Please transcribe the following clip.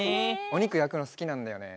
おにくやくのすきなんだよね。